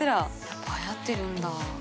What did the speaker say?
やっぱ流行ってるんだ。